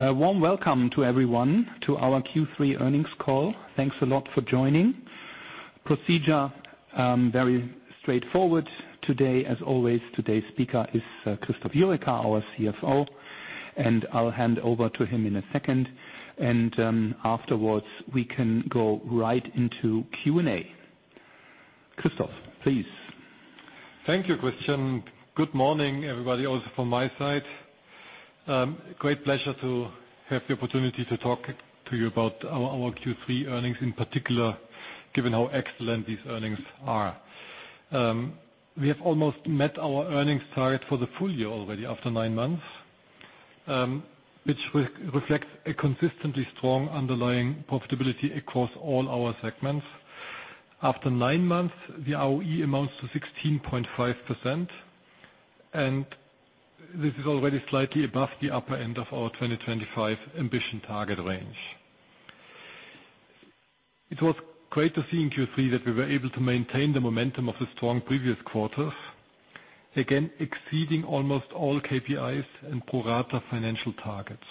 A warm welcome to everyone, to our Q3 Earnings Call. Thanks a lot for joining. Procedure very straightforward. Today, as always, today's speaker is Christoph Jurecka, our CFO, and I'll hand over to him in a second. Afterwards, we can go right into Q&A. Christoph, please. Thank you, Christian. Good morning, everybody, also from my side. Great pleasure to have the opportunity to talk to you about our Q3 Earnings, in particular, given how excellent these earnings are. We have almost met our earnings target for the full year already after nine months, which reflects a consistently strong underlying profitability across all our segments. After nine months, the ROE amounts to 16.5%, and this is already slightly above the upper end of our 2025 ambition target range. It was great to see in Q3 that we were able to maintain the momentum of the strong previous Q1, Q2, Q3, and Q4, again, exceeding almost all KPIs and pro rata financial targets.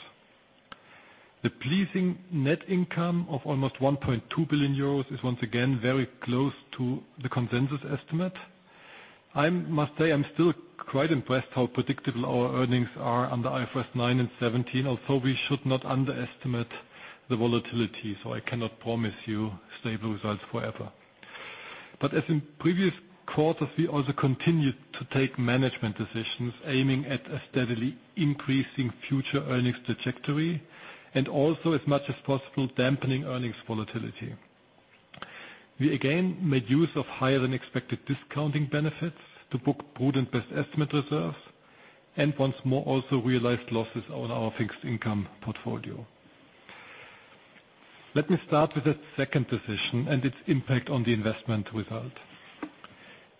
The pleasing net income of almost 1.2 billion euros is once again very close to the consensus estimate. I must say, I'm still quite impressed how predictable our earnings are under IFRS 9 and 17, although we should not underestimate the volatility, so I cannot promise you stable results forever. But as in previous Q1, Q2, Q3 and Q4, we also continued to take management decisions aiming at a steadily increasing future earnings trajectory, and also, as much as possible, dampening earnings volatility. We again made use of higher-than-expected discounting benefits to book prudent best estimate reserves, and once more, also realized losses on our fixed income portfolio. Let me start with the second decision and its impact on the investment result.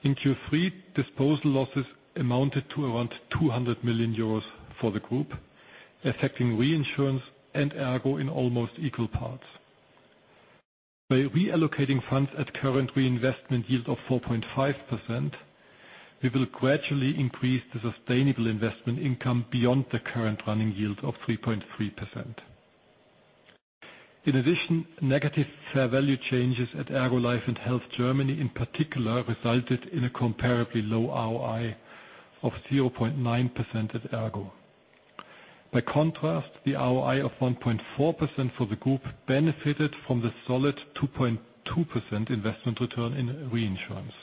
In Q3, disposal losses amounted to around 200 million euros for the group, affecting reinsurance and ERGO in almost equal parts. By reallocating funds at current reinvestment yield of 4.5%, we will gradually increase the sustainable investment income beyond the current running yield of 3.3%. In addition, negative fair value changes at ERGO Life and Health Germany, in particular, resulted in a comparably low ROI of 0.9% at ERGO. By contrast, the ROI of 1.4% for the group benefited from the solid 2.2% investment return in reinsurance.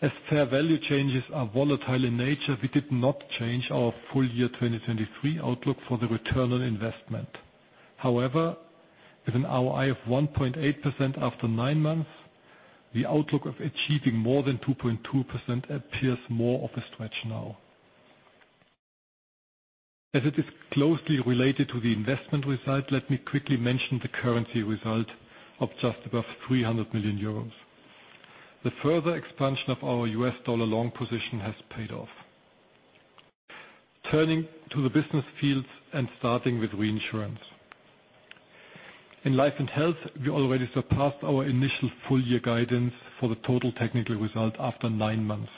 As fair value changes are volatile in nature, we did not change our full-year 2023 outlook for the return on investment. However, with an ROI of 1.8% after nine months, the outlook of achieving more than 2.2% appears more of a stretch now. As it is closely related to the investment result, let me quickly mention the currency result of just above 300 million euros. The further expansion of our US dollar long position has paid off. Turning to the business fields and starting with reinsurance. In life and health, we already surpassed our initial full year guidance for the total technical result after nine months.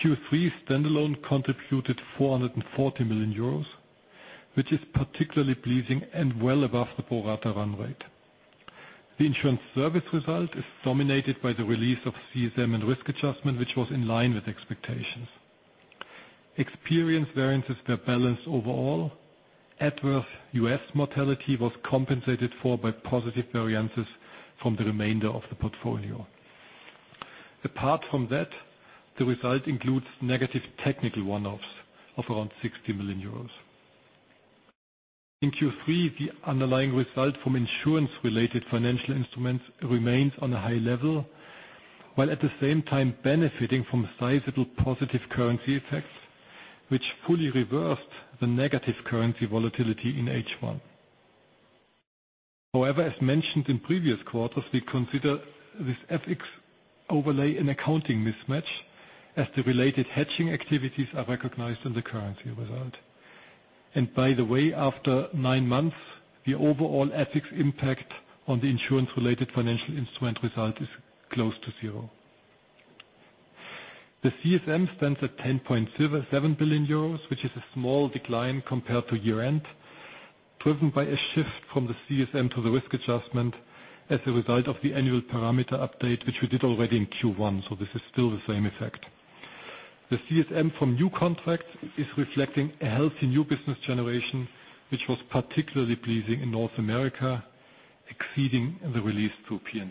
Q3 standalone contributed 440 million euros, which is particularly pleasing and well above the pro rata run rate. The insurance service result is dominated by the release of CSM and risk adjustment, which was in line with expectations. Experience variances were balanced overall. At worst, US mortality was compensated for by positive variances from the remainder of the portfolio. Apart from that, the result includes negative technical one-offs of around 60 million euros. In Q3, the underlying result from insurance-related financial instruments remains on a high level, while at the same time benefiting from sizable positive currency effects, which fully reversed the negative currency volatility in H1. However, as mentioned in previous Q1, Q2, Q3 and Q4, we consider this FX overlay an accounting mismatch, as the related hedging activities are recognized in the currency result. And by the way, after nine months, the overall FX impact on the insurance-related financial instrument result is close to zero. The CSM stands at 10.07 billion euros, which is a small decline compared to year-end, driven by a shift from the CSM to the risk adjustment as a result of the annual parameter update, which we did already in Q1, so this is still the same effect. The CSM from new contracts is reflecting a healthy new business generation, which was particularly pleasing in North America, exceeding the release through P&L.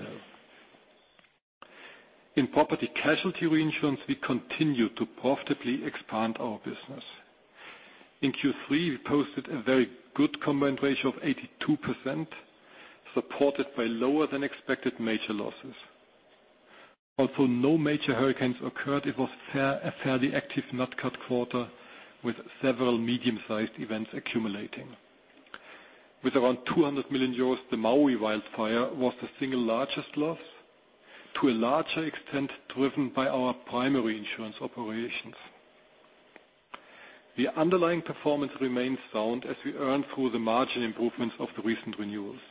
In property casualty reinsurance, we continue to profitably expand our business. In Q3, we posted a very good combined ratio of 82%, supported by lower-than-expected major losses. Although no major hurricanes occurred, it was a fairly active nat-cat quarter, with several medium-sized events accumulating. With around 200 million euros, the Maui wildfire was the single largest loss, to a larger extent, driven by our primary insurance operations. The underlying performance remains sound as we earn through the margin improvements of the recent renewals.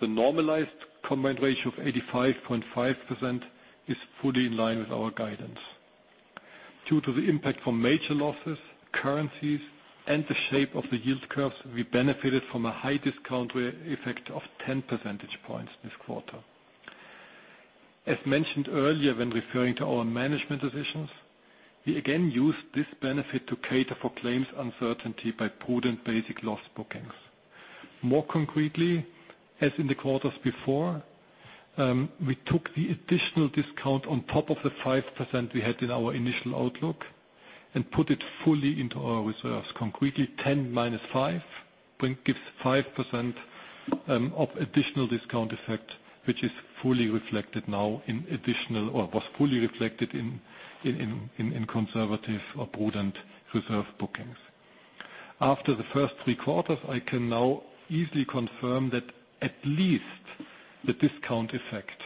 The normalized combined ratio of 85.5% is fully in line with our guidance. Due to the impact from major losses, currencies, and the shape of the yield curves, we benefited from a high discount rate effect of 10 percentage points this quarter. As mentioned earlier, when referring to our management decisions, we again used this benefit to cater for claims uncertainty by prudent basic loss bookings. More concretely, as in the quarters before, we took the additional discount on top of the 5% we had in our initial outlook and put it fully into our reserves. Concretely, 10 minus 5 gives 5% of additional discount effect, which is fully reflected now in additional, or was fully reflected in conservative or prudent reserve bookings. After the first three quarters, I can now easily confirm that at least the discount effect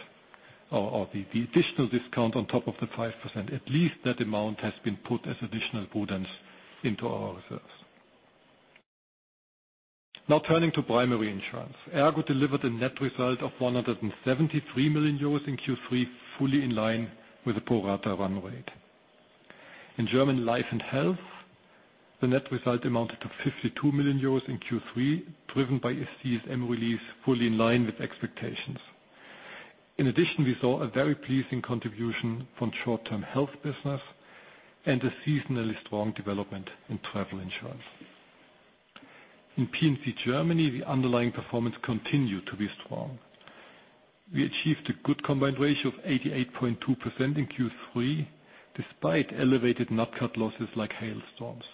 or the additional discount on top of the 5%, at least that amount has been put as additional prudence into our reserves. Now, turning to primary insurance. ERGO delivered a net result of 173 million euros in Q3, fully in line with the pro rata run rate. In German life and health, the net result amounted to 52 million euros in Q3, driven by a CSM release, fully in line with expectations. In addition, we saw a very pleasing contribution from short-term health business and a seasonally strong development in travel insurance. In P&C Germany, the underlying performance continued to be strong. We achieved a good combined ratio of 88.2% in Q3, despite elevated nat cat losses like hailstorms.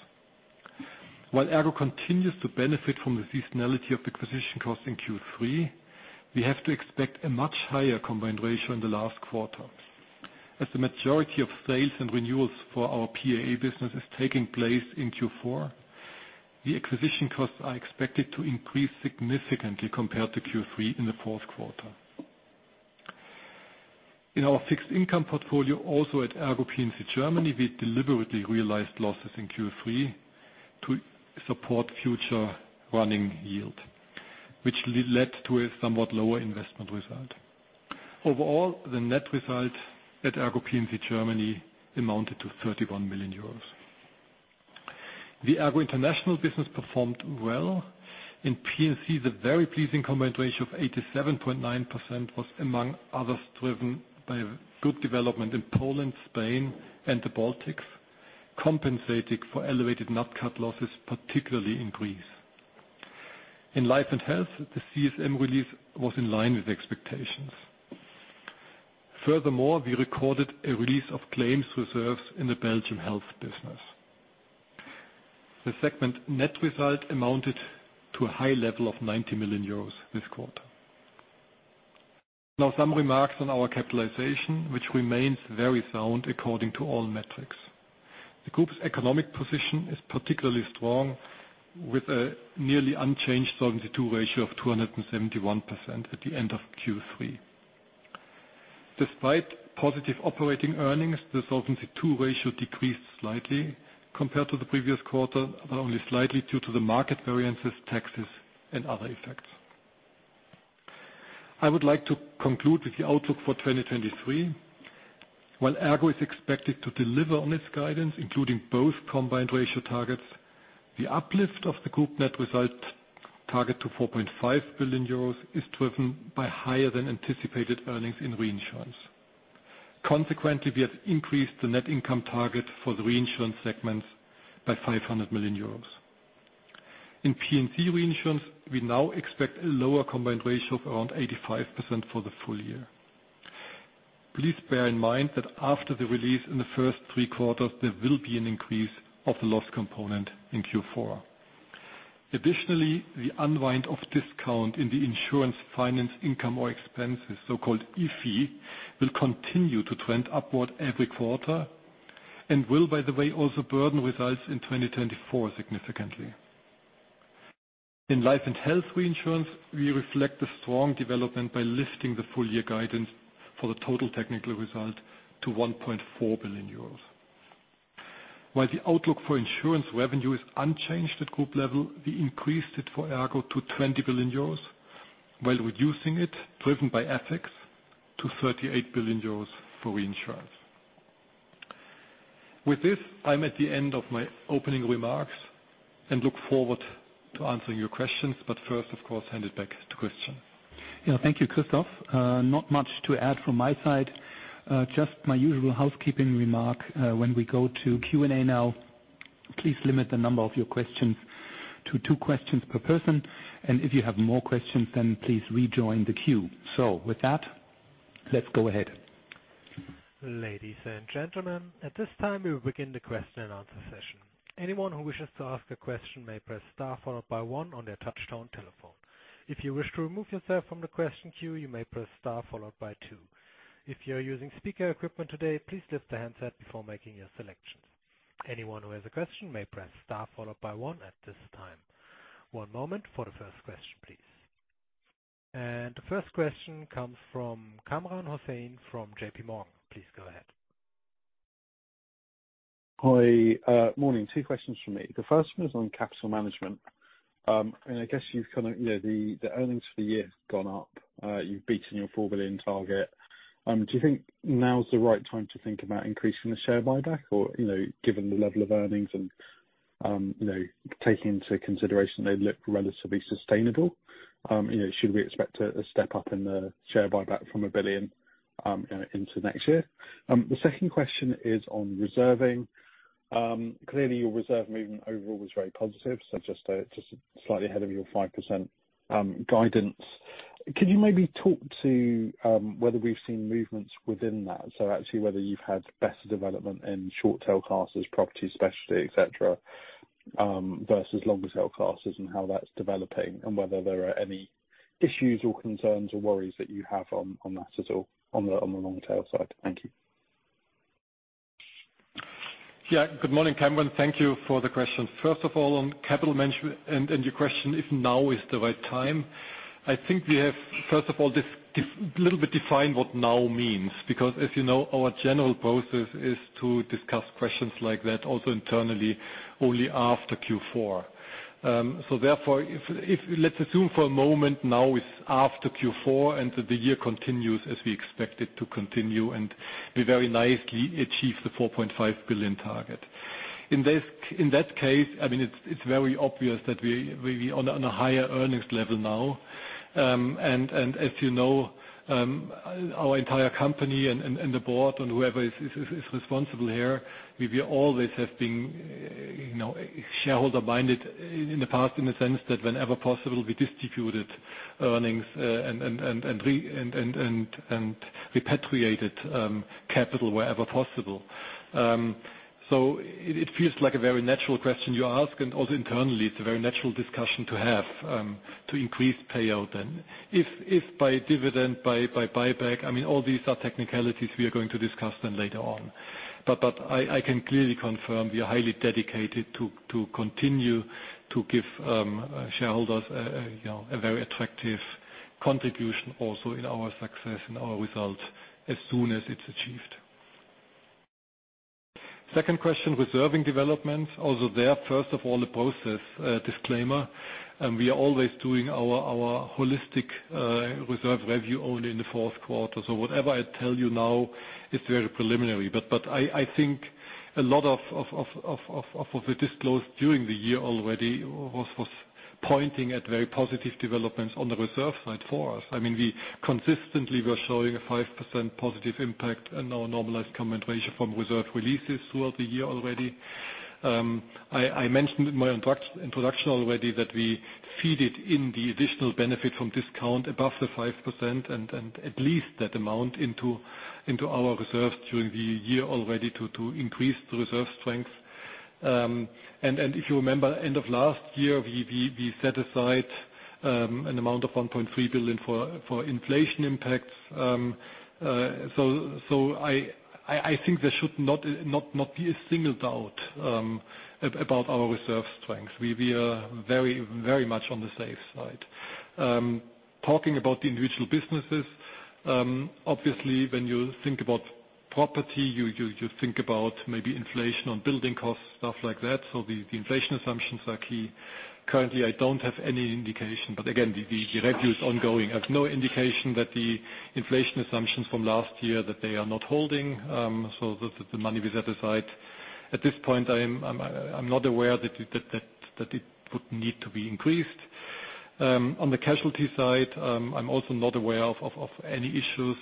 While ERGO continues to benefit from the seasonality of acquisition costs in Q3, we have to expect a much higher combined ratio in the Q4. As the majority of sales and renewals for our PAA business is taking place in Q4, the acquisition costs are expected to increase significantly compared to Q3 in the Q4. In our fixed income portfolio, also at ERGO P&C Germany, we deliberately realized losses in Q3 to support future running yield, which led to a somewhat lower investment result. Overall, the net result at ERGO P&C Germany amounted to 31 million euros. The ERGO International business performed well. In P&C, the very pleasing combined ratio of 87.9% was, among others, driven by good development in Poland, Spain, and the Baltics, compensating for elevated nat cat losses, particularly in Greece. In life and health, the CSM release was in line with expectations. Furthermore, we recorded a release of claims reserves in the Belgian health business. The segment net result amounted to a high level of 90 million euros this quarter. Now, some remarks on our capitalization, which remains very sound according to all metrics. The group's economic position is particularly strong, with a nearly unchanged Solvency II ratio of 271% at the end of Q3. Despite positive operating earnings, the Solvency II ratio decreased slightly compared to the previous quarter, but only slightly due to the market variances, taxes, and other effects. I would like to conclude with the outlook for 2023. While Munich Re is expected to deliver on its guidance, including both combined ratio targets, the uplift of the group net result target to 4.5 billion euros is driven by higher than anticipated earnings in reinsurance. Consequently, we have increased the net income target for the reinsurance segments by 500 million euros. In P&C reinsurance, we now expect a lower combined ratio of around 85% for the full year. Please bear in mind that after the release in the first three quarters, there will be an increase of the loss component in Q4. Additionally, the unwind of discount in the insurance, finance, income or expenses, so-called IFE, will continue to trend upward every quarter and will, by the way, also burden results in 2024 significantly. In life and health reinsurance, we reflect the strong development by lifting the full-year guidance for the total technical result to 1.4 billion euros. While the outlook for insurance revenue is unchanged at group level, we increased it for ERGO to 20 billion euros, while reducing it, driven by FX, to 38 billion euros for reinsurance. With this, I'm at the end of my opening remarks and look forward to answering your questions, but first, of course, hand it back to Christian. Yeah, thank you, Christoph. Not much to add from my side, just my usual housekeeping remark. When we go to Q&A now, please limit the number of your questions to two questions per person, and if you have more questions, then please rejoin the queue. With that, let's go ahead. Ladies and gentlemen, at this time, we will begin the question and answer session. Anyone who wishes to ask a question may press star followed by one on their touchtone telephone. If you wish to remove yourself from the question queue, you may press star followed by two. If you are using speaker equipment today, please lift the handset before making your selections. Anyone who has a question may press star followed by one at this time. One moment for the first question, please. The first question comes from Kamran Hossain from JPMorgan. Please go ahead.... Hi, morning. Two questions from me. The first one is on capital management. And I guess you've kinda, you know, the earnings for the year have gone up. You've beaten your 4 billion target. Do you think now is the right time to think about increasing the share buyback? Or, you know, given the level of earnings and, you know, taking into consideration they look relatively sustainable, you know, should we expect a step up in the share buyback from 1 billion, you know, into next year? The second question is on reserving. Clearly, your reserve movement overall was very positive, so just slightly ahead of your 5%, guidance. Could you maybe talk to, whether we've seen movements within that? So actually, whether you've had better development in short tail classes, property, specialty, et cetera, versus longer tail classes, and how that's developing, and whether there are any issues or concerns or worries that you have on that at all, on the long tail side? Thank you. Yeah. Good morning, Kamran. Thank you for the question. First of all, on capital management and your question, if now is the right time, I think we have, first of all, to define a little bit what now means. Because as you know, our general process is to discuss questions like that, also internally, only after Q4. So therefore, if let's assume for a moment now it's after Q4, and the year continues as we expect it to continue, and we very nicely achieve the 4.5 billion target. In that case, I mean, it's very obvious that we on a higher earnings level now. As you know, our entire company and the board, and whoever is responsible here, we always have been, you know, shareholder-minded in the past, in the sense that whenever possible, we distributed earnings and repatriated capital wherever possible. So it feels like a very natural question you ask, and also internally, it's a very natural discussion to have, to increase payout. And if by dividend, by buyback, I mean, all these are technicalities we are going to discuss them later on. But I can clearly confirm we are highly dedicated to continue to give shareholders a, you know, a very attractive contribution also in our success and our results as soon as it's achieved. Second question, reserving developments. Also there, first of all, a process disclaimer, and we are always doing our holistic reserve review only in the Q4. So whatever I tell you now is very preliminary. But I think a lot of what we disclosed during the year already was pointing at very positive developments on the reserve side for us. I mean, we consistently were showing a 5% positive impact and our normalized claim ratio from reserve releases throughout the year already. I mentioned in my introduction already, that we feed it in the additional benefit from discount above the 5%, and at least that amount into our reserves during the year already to increase the reserve strength. If you remember, end of last year, we set aside an amount of 1.3 billion for inflation impacts. So I think there should not be a single doubt about our reserve strength. We are very much on the safe side. Talking about the individual businesses, obviously, when you think about property, you think about maybe inflation on building costs, stuff like that. So the inflation assumptions are key. Currently, I don't have any indication, but again, the review is ongoing. I have no indication that the inflation assumptions from last year, that they are not holding, so the money we set aside. At this point, I'm not aware that it would need to be increased. On the casualty side, I'm also not aware of any issues.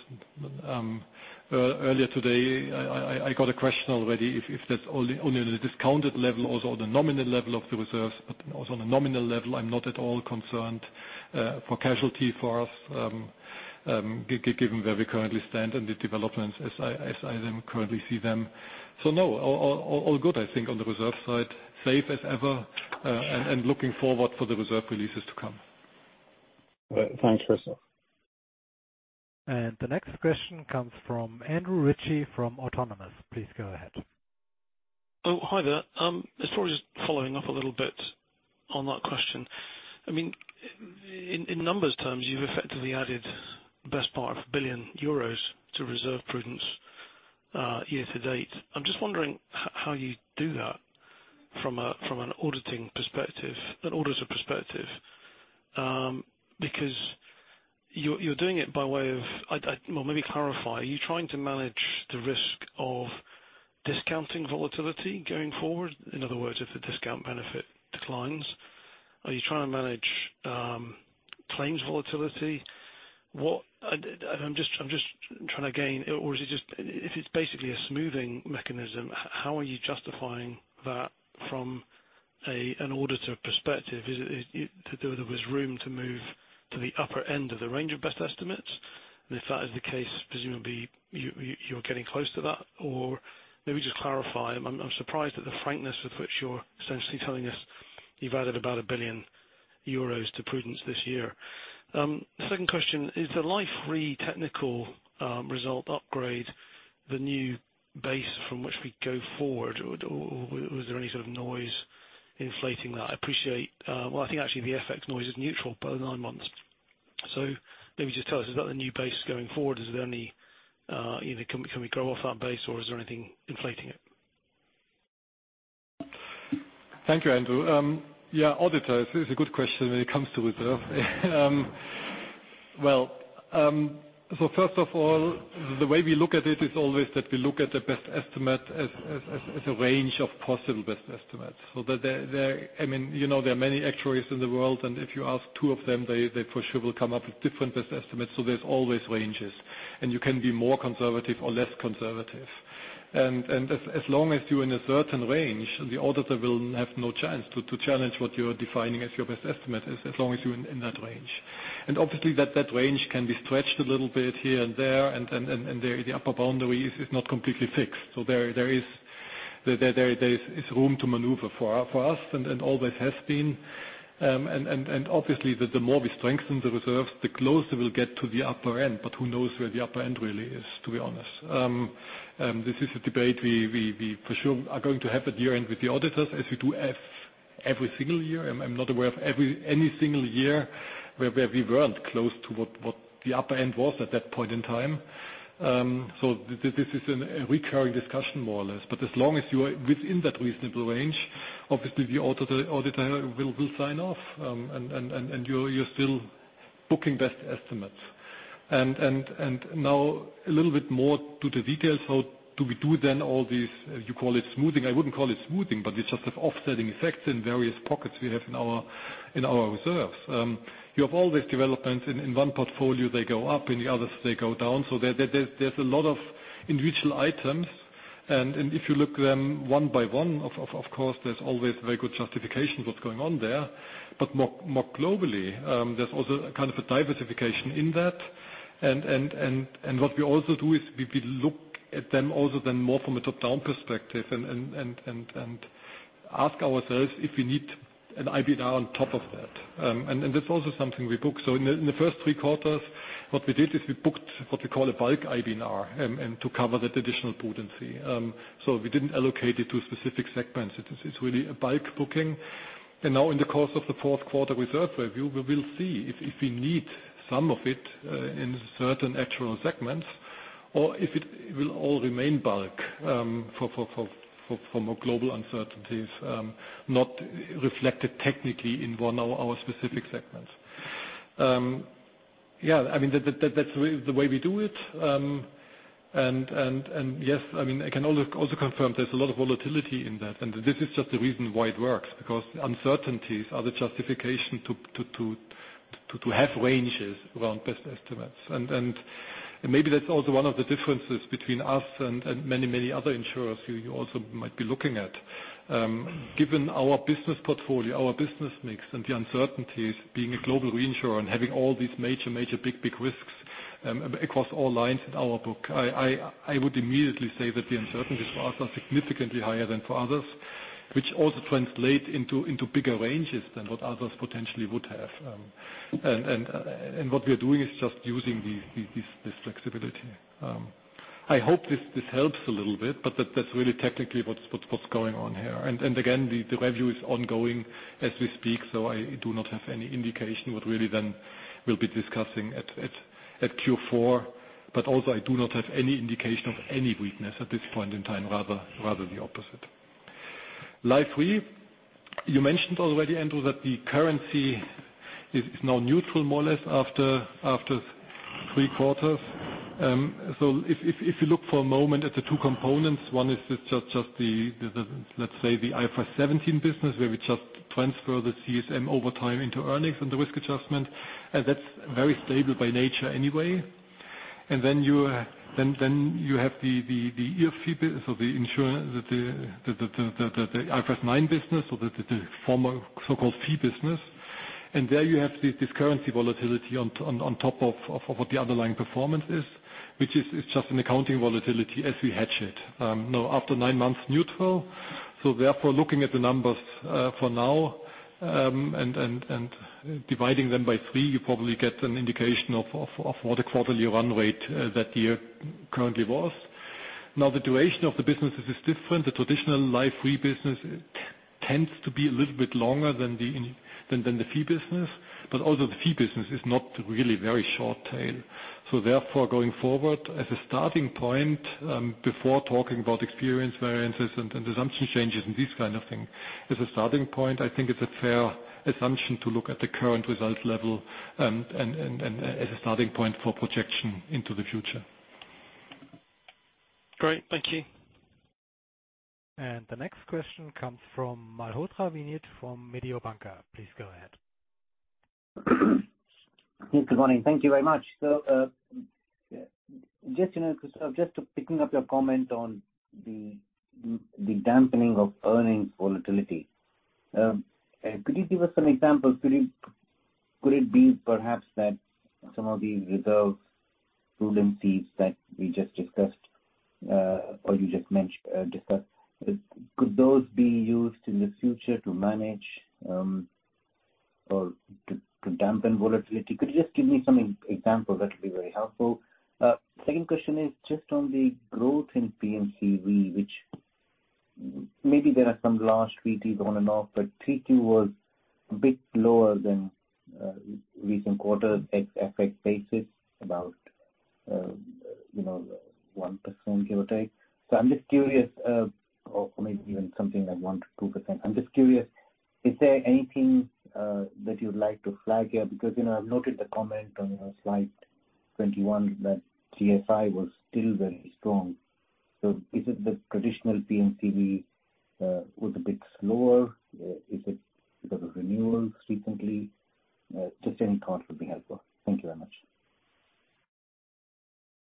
Earlier today, I got a question already if that's only on the discounted level, also on the nominal level of the reserves, but also on the nominal level, I'm not at all concerned for casualty for us, given where we currently stand and the developments as I then currently see them. So no, all good, I think, on the reserve side. Safe as ever, and looking forward for the reserve releases to come. Thanks, Christoph. The next question comes from Andrew Ritchie from Autonomous. Please go ahead. Oh, hi there. I was just following up a little bit on that question. I mean, in numbers terms, you've effectively added the best part of 1 billion euros to reserve prudence year to date. I'm just wondering how you do that from a, from an auditing perspective, an auditor's perspective, because you're doing it by way of, well, let me clarify: Are you trying to manage the risk of discounting volatility going forward? In other words, if the discount benefit declines, are you trying to manage claims volatility? What-- I'm just trying to gain... Or is it just, if it's basically a smoothing mechanism, how are you justifying that from an auditor's perspective? Is it that there was room to move to the upper end of the range of best estimates? If that is the case, presumably, you're getting close to that? Or maybe just clarify. I'm surprised at the frankness with which you're essentially telling us you've added about 1 billion euros to prudence this year. Second question, is the Life Re technical result upgrade the new base from which we go forward, or was there any sort of noise inflating that? I appreciate, I think actually the FX noise is neutral for the nine months.... So maybe just tell us, is that the new base going forward, is there any, you know, can we, can we grow off that base, or is there anything inflating it? Thank you, Andrew. Yeah, auditor, it is a good question when it comes to reserve. Well, so first of all, the way we look at it is always that we look at the best estimate as a range of possible best estimates. So that there, I mean, you know, there are many actuaries in the world, and if you ask two of them, they for sure will come up with different best estimates, so there's always ranges. And you can be more conservative or less conservative. And as long as you're in a certain range, the auditor will have no chance to challenge what you're defining as your best estimate, as long as you're in that range. And obviously, that range can be stretched a little bit here and there, and the upper boundary is not completely fixed. So there is room to maneuver for us, and always has been. And obviously, the more we strengthen the reserve, the closer we'll get to the upper end, but who knows where the upper end really is, to be honest. This is a debate we for sure are going to have at year-end with the auditors, as we do at every single year. I'm not aware of any single year where we weren't close to what the upper end was at that point in time. So this is a recurring discussion, more or less. But as long as you are within that reasonable range, obviously, the auditor will sign off, and you're still booking best estimates. And now a little bit more to the details. So do we do then all these, you call it smoothing, I wouldn't call it smoothing, but it's just an offsetting effect in various pockets we have in our reserves. You have all these developments in one portfolio, they go up, in the other, they go down. So there, there's a lot of individual items. And if you look at them one by one, of course, there's always very good justification what's going on there. But more globally, there's also a kind of a diversification in that. What we also do is we look at them also then more from a top-down perspective and ask ourselves if we need an IBNR on top of that. And that's also something we book. So in the first three quarters, what we did is we booked what we call a bulk IBNR, and to cover that additional prudence. So we didn't allocate it to specific segments. It's really a bulk booking. And now, in the course of the Q4 reserve review, we will see if we need some of it in certain actual segments, or if it will all remain bulk for more global uncertainties not reflected technically in one of our specific segments. Yeah, I mean, that's really the way we do it. And yes, I mean, I can also confirm there's a lot of volatility in that, and this is just the reason why it works, because uncertainties are the justification to have ranges around best estimates. And maybe that's also one of the differences between us and many other insurers you also might be looking at. Given our business portfolio, our business mix, and the uncertainties, being a global reinsurer and having all these major big risks across all lines in our book, I would immediately say that the uncertainties are also significantly higher than for others, which also translate into bigger ranges than what others potentially would have. And what we are doing is just using this flexibility. I hope this helps a little bit, but that's really technically what's going on here. And again, the review is ongoing as we speak, so I do not have any indication what really then we'll be discussing at Q4. But also, I do not have any indication of any weakness at this point in time, rather the opposite. You mentioned already, Andrew, that the currency is now neutral, more or less, after three quarters. So if you look for a moment at the two components, one is just the let's say the IFRS 17 business, where we just transfer the CSM over time into earnings and the risk adjustment, and that's very stable by nature anyway. Then you have the IFE, so the insurance IFRS 9 business, so the former so-called fee business. And there you have this currency volatility on top of what the underlying performance is, which is just an accounting volatility as we hedge it. Now, after nine months, neutral. So therefore, looking at the numbers for now, and dividing them by three, you probably get an indication of what the quarterly run rate that year currently was. Now, the duration of the business is different. The traditional life fee business tends to be a little bit longer than the fee business, but also the fee business is not really very short tail. So therefore, going forward, as a starting point, before talking about experience variances and assumption changes and this kind of thing, as a starting point, I think it's a fair assumption to look at the current result level, and as a starting point for projection into the future. Great. Thank you. The next question comes from Vinit Malhotra, from Mediobanca. Please go ahead. Good morning. Thank you very much. So, just, you know, just to picking up your comment on the dampening of earnings volatility, could you give us some examples? Could it, could it be perhaps that some of these reserves, prudencies that we just discussed, or you just mentioned, discussed, could those be used in the future to manage, or to dampen volatility? Could you just give me some examples? That would be very helpful. Second question is just on the growth in P&C Re, which maybe there are some large treaties on and off, but 3Q was a bit lower than recent quarter X effect basis, about, you know, 1%, give or take. So I'm just curious, or maybe even something like 1%-2%. I'm just curious, is there anything that you'd like to flag here? Because, you know, I've noted the comment on, you know, slide 21, that GSI was still very strong. So is it the traditional P&C Re was a bit slower? Is it because of renewals recently? Just any thoughts would be helpful. Thank you very much.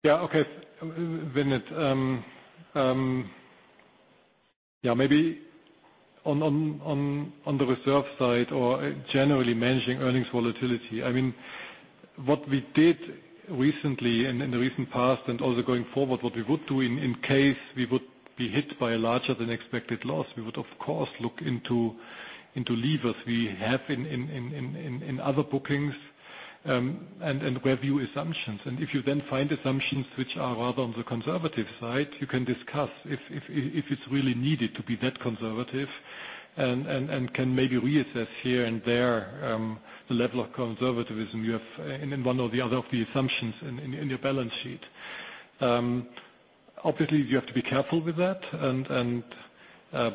Yeah, okay. Vinit, yeah, maybe on the reserve side, or generally managing earnings volatility. I mean, what we did recently and in the recent past and also going forward, what we would do in case we would be hit by a larger than expected loss, we would of course look into levers we have in other bookings, and review assumptions. And if you then find assumptions which are rather on the conservative side, you can discuss if it's really needed to be that conservative and can maybe reassess here and there the level of conservatism you have in one or the other of the assumptions in your balance sheet. Obviously, you have to be careful with that. I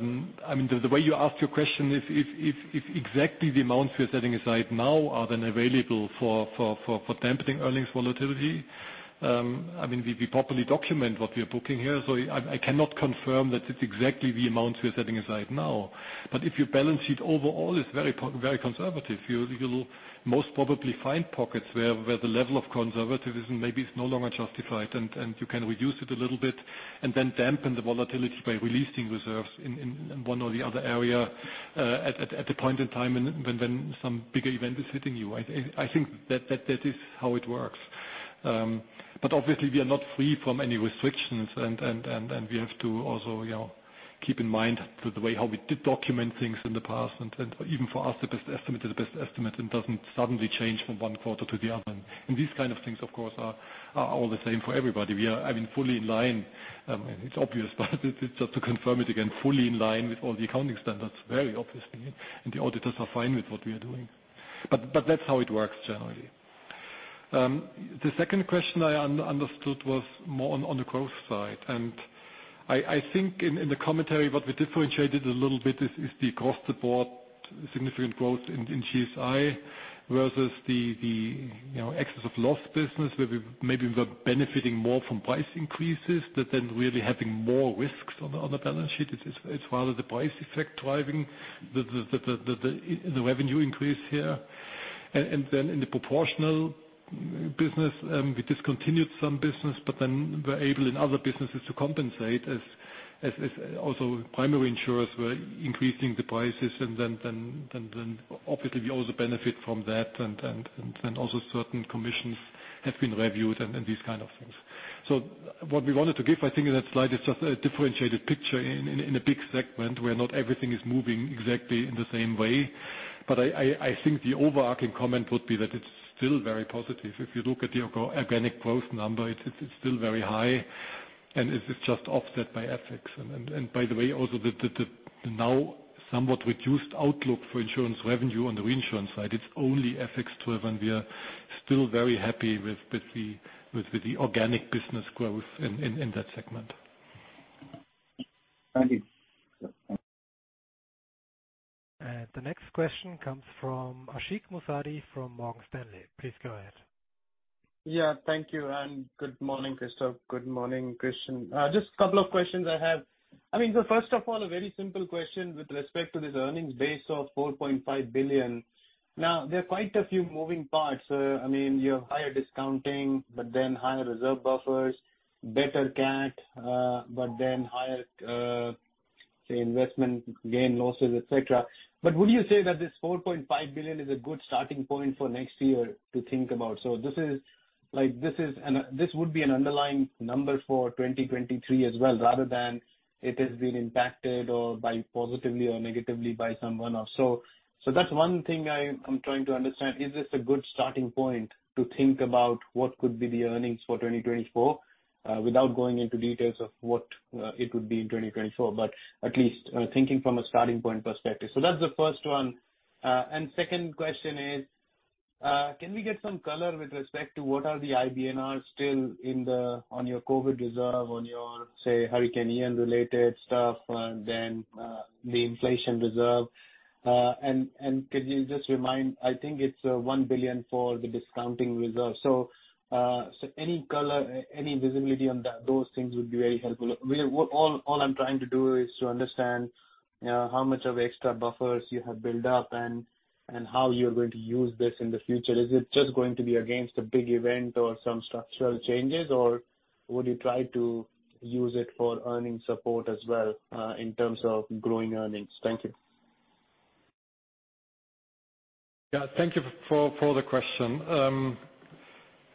mean, the way you ask your question, if exactly the amounts you're setting aside now are then available for dampening earnings volatility, I mean, we properly document what we are booking here, so I cannot confirm that it's exactly the amounts we are setting aside now. But if your balance sheet overall is very conservative, you'll most probably find pockets where the level of conservatism maybe is no longer justified, and you can reduce it a little bit, and then dampen the volatility by releasing reserves in one or the other area, at the point in time when some bigger event is hitting you. I think that is how it works. But obviously, we are not free from any restrictions, and we have to also, you know, keep in mind the way how we did document things in the past. And even for us, the best estimate is the best estimate, and doesn't suddenly change from one quarter to the other. And these kind of things, of course, are all the same for everybody. We are, I mean, fully in line. It's obvious, but just to confirm it again, fully in line with all the accounting standards, very obviously, and the auditors are fine with what we are doing. But that's how it works generally. The second question I understood was more on the growth side, and I think in the commentary, what we differentiated a little bit is the cost support, significant growth in GSI, versus the, you know, excess of loss business, where we maybe were benefiting more from price increases, but then really having more risks on the balance sheet. It's rather the price effect driving the revenue increase here. And then in the proportional business, we discontinued some business, but then we're able, in other businesses, to compensate as also primary insurers were increasing the prices, and then obviously, we also benefit from that, and also certain commissions have been reviewed and these kind of things. So what we wanted to give, I think, in that slide, is just a differentiated picture in a big segment where not everything is moving exactly in the same way. But I think the overarching comment would be that it's still very positive. If you look at the organic growth number, it's still very high, and it's just offset by FX. And by the way, also the now somewhat reduced outlook for insurance revenue on the reinsurance side, it's only FX, and we are still very happy with the organic business growth in that segment. Thank you. The next question comes from Ashik Musaddi from Morgan Stanley. Please go ahead. Yeah, thank you, and good morning, Christoph. Good morning, Christian. Just a couple of questions I have. I mean, so first of all, a very simple question with respect to this earnings base of 4.5 billion. Now, there are quite a few moving parts. I mean, you have higher discounting, but then higher reserve buffers, better CAT, but then higher, say, investment gain losses, et cetera. But would you say that this 4.5 billion is a good starting point for next year to think about? So this is... Like, this is an, this would be an underlying number for 2023 as well, rather than it has been impacted or by positively or negatively by some one-off. So, so that's one thing I, I'm trying to understand. Is this a good starting point to think about what could be the earnings for 2024, without going into details of what it would be in 2024, but at least thinking from a starting point perspective? So that's the first one. And second question is, can we get some color with respect to what are the IBNR still in the, on your COVID reserve, on your, say, Hurricane Ian-related stuff, then the inflation reserve? And could you just remind, I think it's 1 billion for the discounting reserve. So any color, any visibility on that, those things would be very helpful. All, all I'm trying to do is to understand how much of extra buffers you have built up and how you're going to use this in the future. Is it just going to be against a big event or some structural changes, or would you try to use it for earning support as well, in terms of growing earnings? Thank you. Yeah, thank you for the question.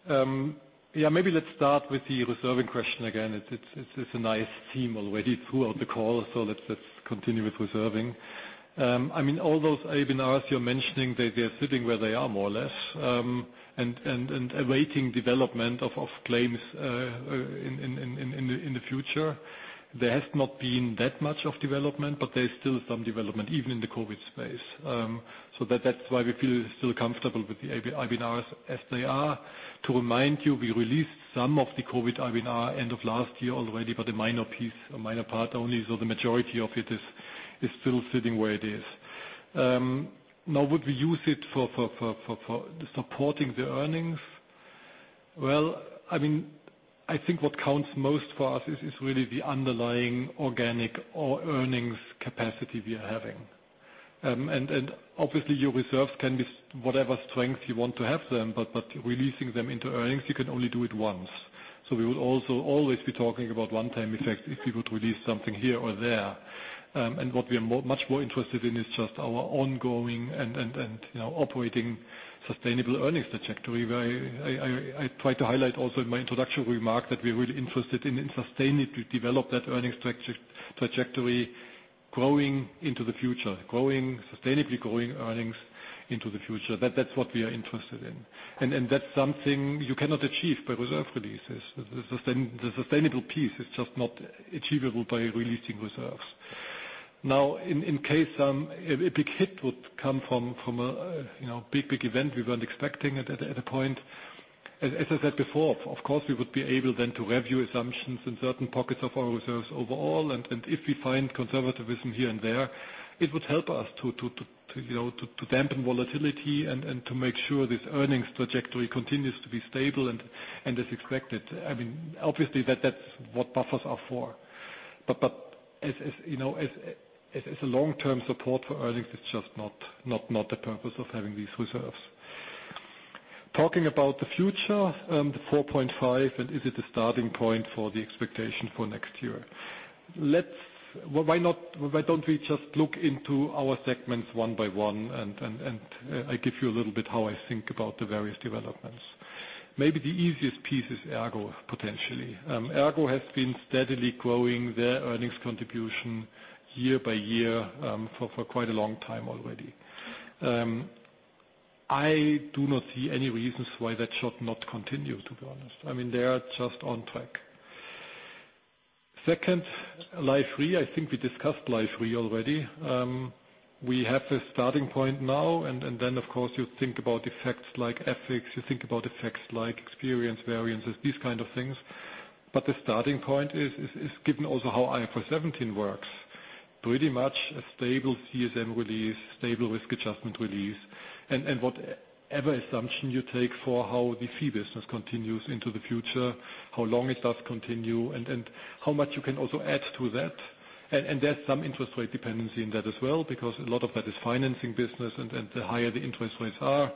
Yeah, maybe let's start with the reserving question again. It's a nice theme already throughout the call, so let's continue with reserving.... I mean, all those IBNRs you're mentioning, they're sitting where they are, more or less, and awaiting development of claims in the future. There has not been that much of development, but there's still some development, even in the COVID space. So that's why we feel still comfortable with the IBNRs as they are. To remind you, we released some of the COVID IBNR end of last year already, but a minor piece, a minor part only, so the majority of it is still sitting where it is. Now, would we use it for supporting the earnings? Well, I mean, I think what counts most for us is really the underlying organic or earnings capacity we are having. And obviously, your reserve can be whatever strength you want to have them, but releasing them into earnings, you can only do it once. So we will also always be talking about one-time effect if we were to release something here or there. And what we are much more interested in is just our ongoing, you know, operating sustainable earnings trajectory, where I tried to highlight also in my introductory remark that we're really interested in sustainably to develop that earnings trajectory, growing into the future, growing, sustainably growing earnings into the future. That's what we are interested in. That's something you cannot achieve by reserve releases. The sustainable piece is just not achievable by releasing reserves. Now, in case a big hit would come from a big event we weren't expecting it at a point. As I said before, of course, we would be able then to review assumptions in certain pockets of our reserves overall, and if we find conservatism here and there, it would help us to you know to dampen volatility and to make sure this earnings trajectory continues to be stable and as expected. I mean, obviously, that's what buffers are for. But as you know, as a long-term support for earnings, it's just not the purpose of having these reserves. Talking about the future, the 4.5, and is it a starting point for the expectation for next year? Let's, well, why not, why don't we just look into our segments one by one, and, and, and I give you a little bit how I think about the various developments. Maybe the easiest piece is ERGO, potentially. ERGO has been steadily growing their earnings contribution year by year, for, for quite a long time already. I do not see any reasons why that should not continue, to be honest. I mean, they are just on track. Second, Life Re, I think we discussed Life Re already. We have a starting point now, and, and then, of course, you think about effects like FX, you think about effects like experience, variances, these kind of things. But the starting point is given also how IFRS 17 works. Pretty much a stable CSM release, stable risk adjustment release, and whatever assumption you take for how the fee business continues into the future, how long it does continue, and how much you can also add to that. And there's some interest rate dependency in that as well, because a lot of that is financing business, and the higher the interest rates are,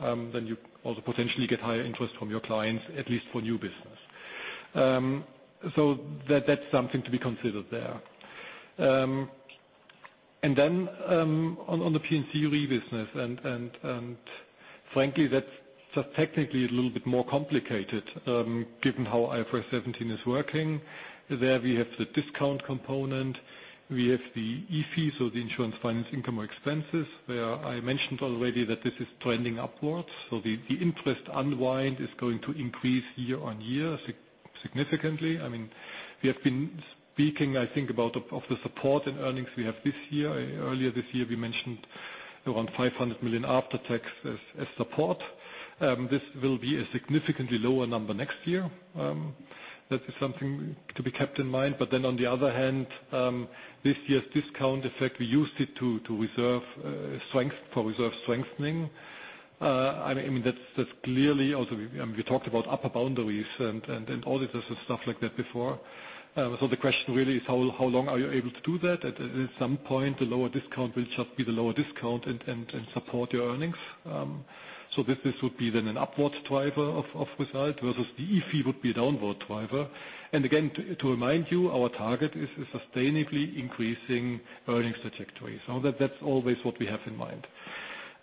then you also potentially get higher interest from your clients, at least for new business. So that's something to be considered there. And then, on the P&C Re business, and frankly, that's just technically a little bit more complicated, given how IFRS 17 is working. There, we have the discount component, we have the IFE, so the insurance finance income or expenses, where I mentioned already that this is trending upwards. So the interest unwind is going to increase year-on-year significantly. I mean, we have been speaking, I think, about the support in earnings we have this year. Earlier this year, we mentioned around 500 million after tax as support. This will be a significantly lower number next year. That is something to be kept in mind. But then, on the other hand, this year's discount effect, we used it to reserve strength for reserve strengthening. I mean, that's clearly also, we talked about upper boundaries and all of this stuff like that before. So the question really is how long are you able to do that? At some point, the lower discount will just be the lower discount and support your earnings. So this would be then an upward driver of result, versus the IFE would be a downward driver. And again, to remind you, our target is a sustainably increasing earnings trajectory. So that's always what we have in mind.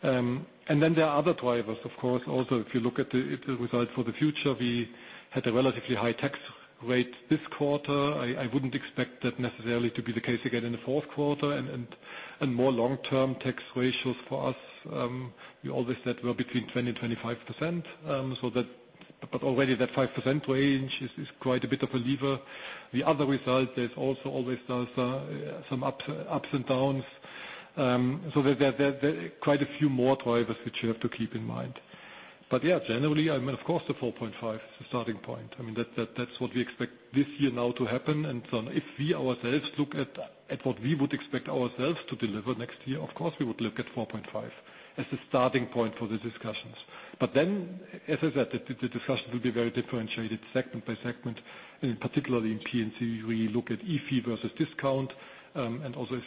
And then there are other drivers, of course. Also, if you look at the result for the future, we had a relatively high tax rate this quarter. I wouldn't expect that necessarily to be the case again in the Q4. And more long-term tax ratios for us, we always said were between 20% and 25%. So that, but already that 5% range is quite a bit of a lever. The other result, there's also always those, some ups and downs. So there are quite a few more drivers which you have to keep in mind. But yeah, generally, I mean, of course, the 4.5 is the starting point. I mean, that's what we expect this year now to happen. And so if we ourselves look at what we would expect ourselves to deliver next year, of course, we would look at 4.5 as a starting point for the discussions. But then, as I said, the discussion will be very differentiated segment by segment, and particularly in P&C, we look at IFE versus discount, and also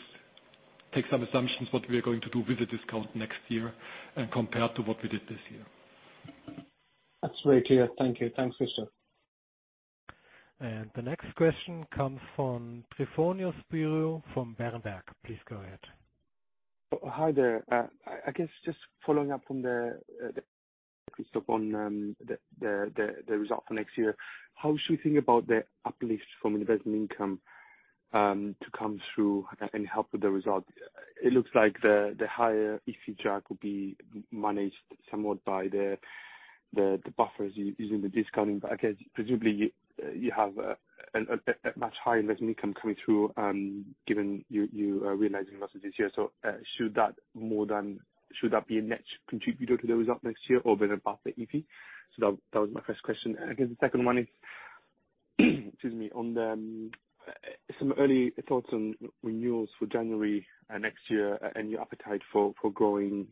take some assumptions what we are going to do with the discount next year and compared to what we did this year. Absolutely clear. Thank you. Thanks, Christian. The next question comes from Tryfonas Spyrou from Berenberg. Please go ahead. Hi there. I guess just following up on the,... crystal on the result for next year. How should we think about the uplift from investment income to come through and help with the result? It looks like the higher EC charge will be managed somewhat by the buffers using the discounting. But I guess, presumably, you have a much higher investment income coming through, given you are realizing losses this year. So, should that more than - should that be a net contributor to the result next year or be above the EC? So that was my first question. And I guess the second one is, excuse me, on some early thoughts on renewals for January and next year, and your appetite for growing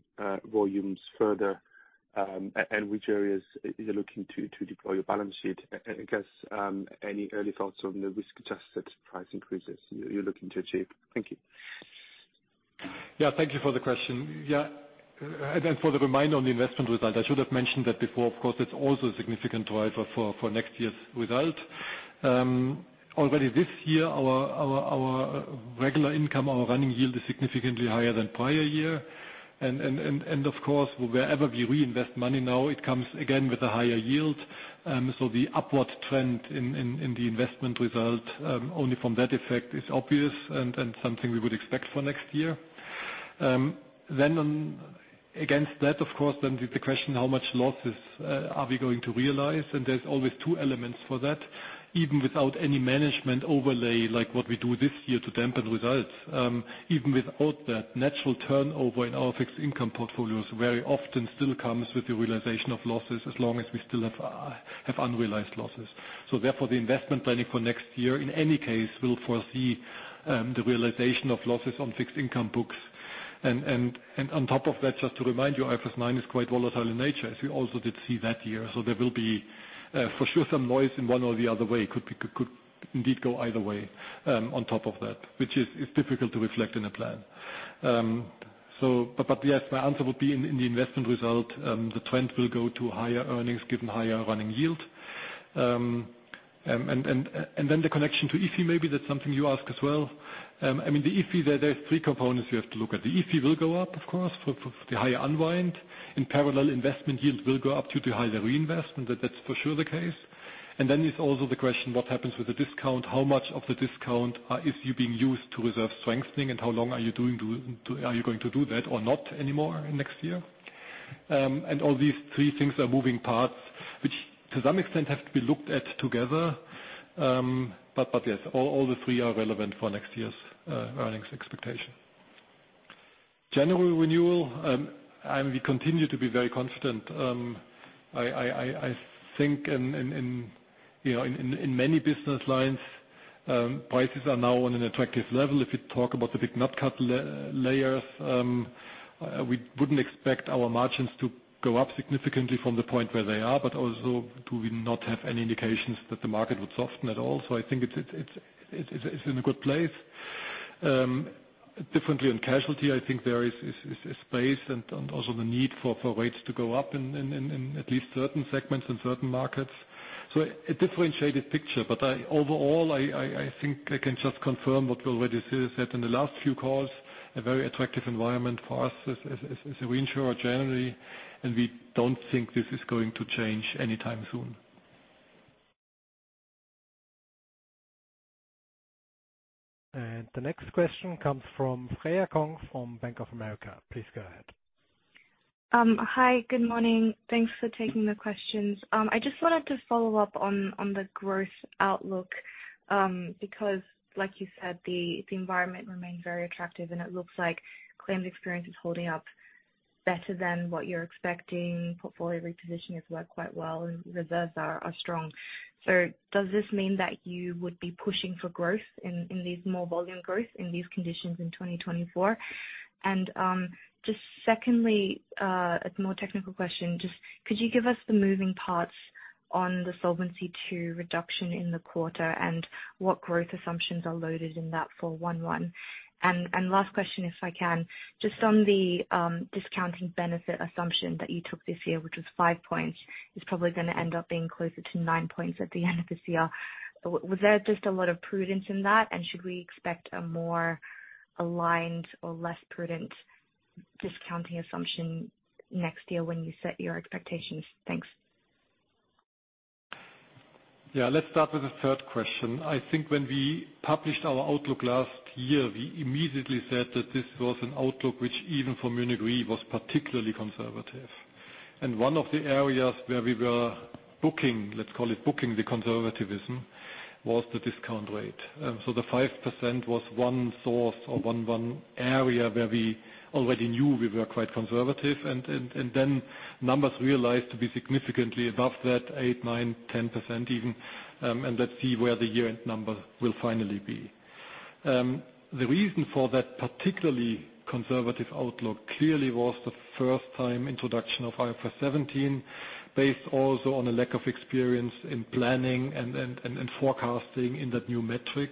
volumes further. And which areas are you looking to deploy your balance sheet? And I guess, any early thoughts on the risk-adjusted price increases you're looking to achieve? Thank you. Yeah, thank you for the question. Yeah, and then for the reminder on the investment result, I should have mentioned that before. Of course, it's also a significant driver for next year's result. Already this year, our regular income, our running yield is significantly higher than prior year. And of course, wherever we reinvest money now, it comes again with a higher yield. So the upward trend in the investment result only from that effect is obvious and something we would expect for next year. Then on against that, of course, then the question: how much losses are we going to realize? And there's always two elements for that. Even without any management overlay, like what we do this year to dampen results, even without that, natural turnover in our fixed income portfolios very often still comes with the realization of losses, as long as we still have unrealized losses. So therefore, the investment planning for next year, in any case, will foresee the realization of losses on fixed income books. And on top of that, just to remind you, IFRS 9 is quite volatile in nature, as we also did see that year. So there will be, for sure, some noise in one or the other way. Could indeed go either way, on top of that, which is difficult to reflect in a plan. So, but yes, my answer would be in the investment result, the trend will go to higher earnings given higher running yield. And then the connection to EC, maybe that's something you ask as well. I mean, the EC, there are three components you have to look at. The EC will go up, of course, for the higher unwind. In parallel, investment yields will go up due to higher reinvestment. That's for sure the case. And then there's also the question, what happens with the discount? How much of the discount is you being used to reserve strengthening, and are you going to do that or not anymore in next year? And all these three things are moving parts, which to some extent have to be looked at together. But yes, all three are relevant for next year's earnings expectation. General renewal, and we continue to be very confident. I think, you know, in many business lines, prices are now on an attractive level. If you talk about the big nat cat layers, we wouldn't expect our margins to go up significantly from the point where they are, but also do we not have any indications that the market would soften at all. So I think it's in a good place. Differently in casualty, I think there is space and also the need for rates to go up in at least certain segments and certain markets. So a differentiated picture, but overall, I think I can just confirm what we already said in the last few calls, a very attractive environment for us as a reinsurer generally, and we don't think this is going to change anytime soon. The next question comes from Freya Kong, from Bank of America. Please go ahead. Hi, good morning. Thanks for taking the questions. I just wanted to follow up on the growth outlook, because like you said, the environment remains very attractive, and it looks like claims experience is holding up better than what you're expecting. Portfolio reposition has worked quite well, and reserves are strong. So does this mean that you would be pushing for growth in these more volume growth, in these conditions in 2024? And just secondly, a more technical question, just could you give us the moving parts on the Solvency II reduction in the quarter, and what growth assumptions are loaded in that for one-one? And last question, if I can. Just on the discounting benefit assumption that you took this year, which was 5 points, it's probably gonna end up being closer to 9 points at the end of this year. Was there just a lot of prudence in that, and should we expect a more aligned or less prudent discounting assumption next year when you set your expectations? Thanks. Yeah, let's start with the third question. I think when we published our outlook last year, we immediately said that this was an outlook which even for Munich Re was particularly conservative. And one of the areas where we were booking, let's call it booking the conservatism, was the discount rate. So the 5% was one source or one area where we already knew we were quite conservative. And then numbers realized to be significantly above that 8%, 9%, 10% even, and let's see where the year-end number will finally be. The reason for that particularly conservative outlook clearly was the first time introduction of IFRS 17, based also on a lack of experience in planning and forecasting in that new metric.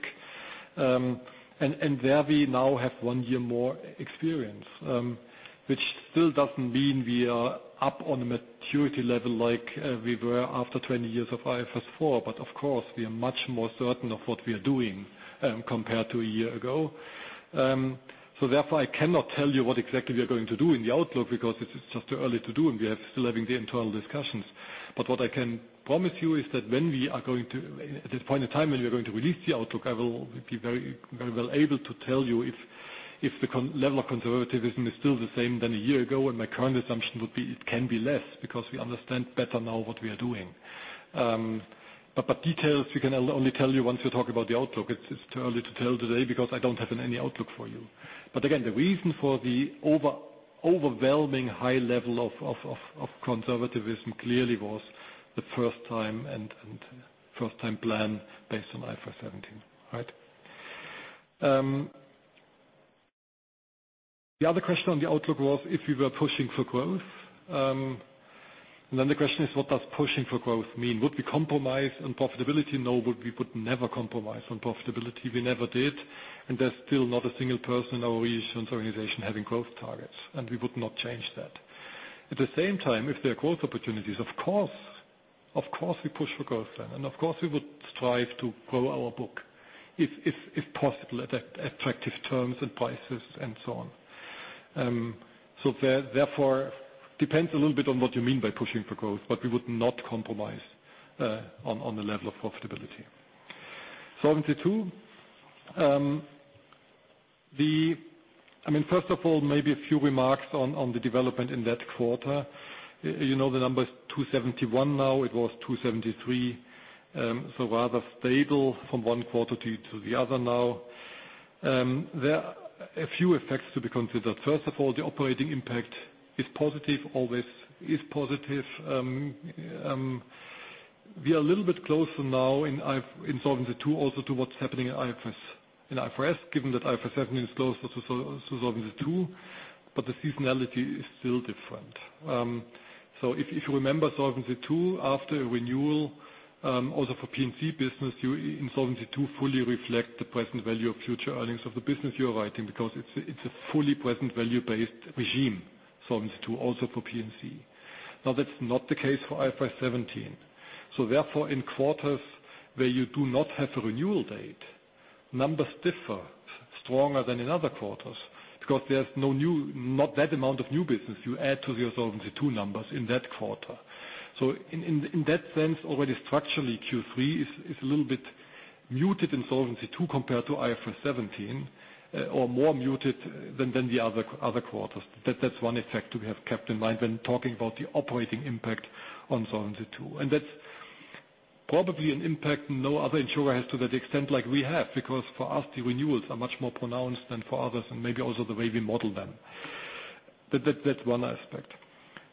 And there we now have one year more experience, which still doesn't mean we are up on a maturity level like we were after 20 years of IFRS 4, but of course, we are much more certain of what we are doing, compared to a year ago. So therefore, I cannot tell you what exactly we are going to do in the outlook, because it's just too early to do, and we are still having the internal discussions. But what I can promise you is that when we are going to, at this point in time, when we are going to release the outlook, I will be very, very well able to tell you if the conservatism level of conservatism is still the same than a year ago, and my current assumption would be it can be less, because we understand better now what we are doing. But details, we can only tell you once we talk about the outlook. It's too early to tell today, because I don't have any outlook for you. But again, the reason for the overwhelming high level of conservatism clearly was the first time and first time plan based on IFRS 17, right? The other question on the outlook was if we were pushing for growth. And then the question is: what does pushing for growth mean? Would we compromise on profitability? No, we would never compromise on profitability. We never did, and there's still not a single person in our organization having growth targets, and we would not change that. At the same time, if there are growth opportunities, of course, of course, we push for growth then, and of course, we would strive to grow our book, if possible, at attractive terms and prices and so on. So therefore, depends a little bit on what you mean by pushing for growth, but we would not compromise on the level of profitability. Solvency II, the... I mean, first of all, maybe a few remarks on the development in that quarter. You know, the number is 271 now, it was 273, so rather stable from one quarter to the other now. There are a few effects to be considered. First of all, the operating impact is positive, always is positive. We are a little bit closer now in IFRS, in Solvency II, also to what's happening in IFRS, in IFRS, given that IFRS 17 is closer to Solvency II, but the seasonality is still different. So if you remember, Solvency II, after a renewal, also for P&C business, you in Solvency II, fully reflect the present value of future earnings of the business you are writing, because it's a fully present value-based regime, Solvency II, also for P&C. Now, that's not the case for IFRS 17. So therefore, in quarters where you do not have a renewal date, numbers differ stronger than in other quarters, because there's no new—not that amount of new business you add to your Solvency II numbers in that quarter. So in that sense, already structurally, Q3 is a little bit muted in Solvency II compared to IFRS 17, or more muted than the other quarters. That's one effect we have kept in mind when talking about the operating impact on Solvency II. And that's probably an impact no other insurer has to that extent like we have, because for us, the renewals are much more pronounced than for others, and maybe also the way we model them. But that's one aspect.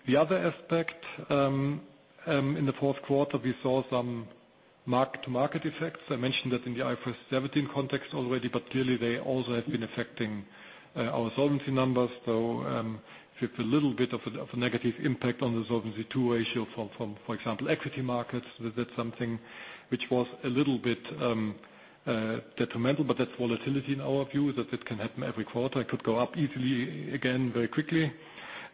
The other aspect, in the Q4, we saw some mark-to-market effects. I mentioned that in the IFRS 17 context already, but clearly, they also have been affecting our solvency numbers. So, with a little bit of a negative impact on the Solvency II ratio from, for example, equity markets. That's something which was a little bit detrimental, but that's volatility in our view, that it can happen every quarter. It could go up easily again, very quickly.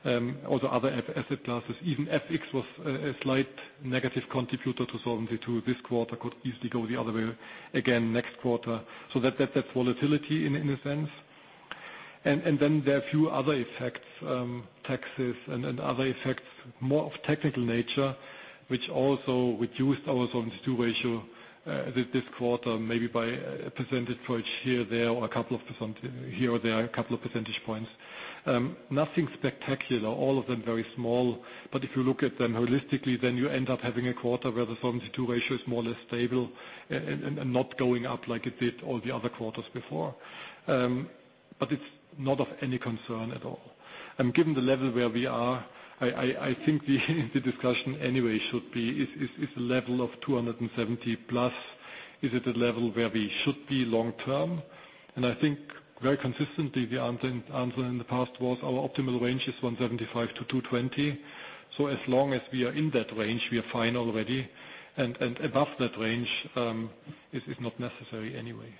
Also other asset classes, even FX was a slight negative contributor to Solvency II. This quarter could easily go the other way again next quarter. So that, that's volatility in a sense. And then there are a few other effects, taxes and other effects, more of technical nature, which also reduced our Solvency II ratio, this quarter, maybe by a percentage point here, there, or a couple of %. Here or there, a couple of percentage points. Nothing spectacular, all of them very small. But if you look at them holistically, then you end up having a quarter where the Solvency II ratio is more or less stable and not going up like it did all the other quarters before. But it's not of any concern at all. And given the level where we are, I think the discussion anyway should be, is the level of 270+, is it the level where we should be long term? I think very consistently, the answer in the past was our optimal range is 175-220. So as long as we are in that range, we are fine already, and above that range is not necessary anyway.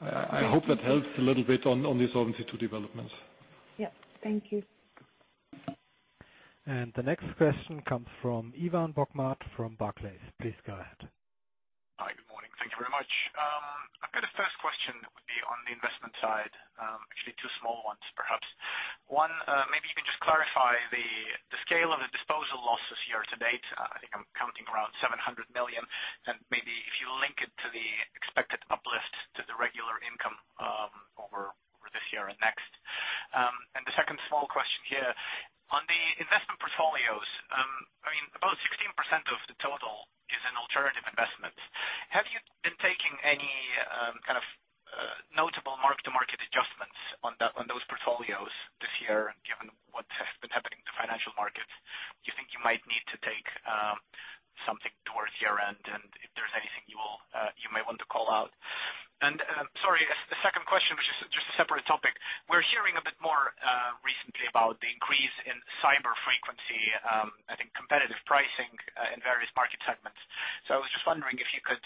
Yeah. I hope that helps a little bit on the Solvency II developments. Yep. Thank you. The next question comes from Ivan Bokhmat from Barclays. Please go ahead. Hi, good morning. Thank you very much. I've got a first question that would be on the investment side, actually, two small ones, perhaps. One, maybe you can just clarify the, the scale of the disposal losses year to date. I think I'm counting around 700 million, and maybe if you link it to the expected uplift to the regular income, over, over this year and next. And the second small question here, on the investment portfolios, I mean, about 16% of the total is in alternative investments. Have you been taking any, kind of, notable mark-to-market adjustments on that, on those portfolios this year, given what has been happening in the financial markets? Do you think you might need to take, something towards year-end, and if there's anything you will, you may want to call out? Sorry, the second question, which is just a separate topic. We're hearing a bit more recently about the increase in cyber frequency, I think competitive pricing in various market segments. So I was just wondering if you could